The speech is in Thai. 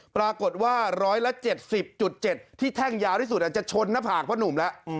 ปรากฏว่า๑๗๐๗ที่แท่งยาวที่สุดอาจจะชนหน้าผากพ่อหนุ่มแล้ว